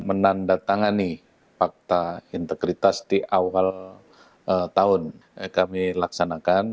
menandatangani fakta integritas di awal tahun kami laksanakan